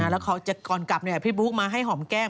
แล้วก่อนกลับพี่บุ๊กมาให้หอมแก้ม